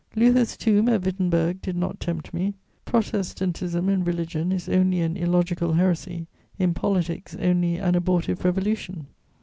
Luther's tomb at Wittenberg did not tempt me: Protestantism in religion is only an illogical heresy, in politics only an abortive revolution.